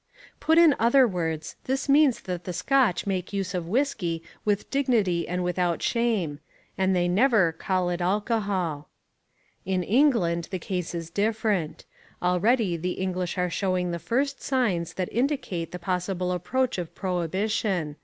Put in other words this means that the Scotch make use of whiskey with dignity and without shame: and they never call it alcohol. In England the case is different. Already the English are showing the first signs that indicate the possible approach of prohibition.